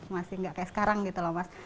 masih nggak kayak sekarang gitu loh mas